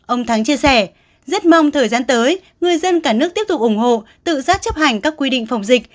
ông thắng chia sẻ rất mong thời gian tới người dân cả nước tiếp tục ủng hộ tự giác chấp hành các quy định phòng dịch